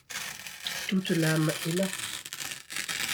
Toute l’âme est là.